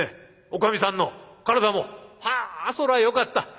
おかみさんの体もはあそらよかった。